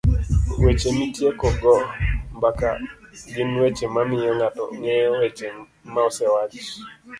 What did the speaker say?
Weche mitiekogo mbaka gin weche mamiyo ng'ato ng'eyo weche maosewach